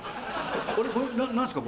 あれこれ何すか？